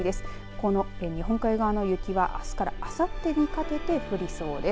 この日本海側の雪はあすからあさってにかけて降りそうです。